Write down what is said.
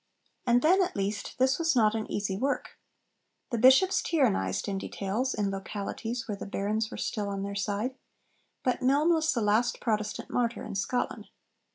And, then at least, this was not an easy work. The Bishops tyrannised in details in localities where the barons were still on their side; but Myln was the last Protestant martyr in Scotland.